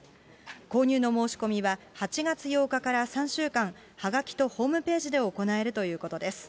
購入の申し込みは８月８日から３週間、はがきとホームページで行えるということです。